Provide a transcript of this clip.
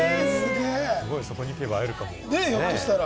そこに行けば会えるかも。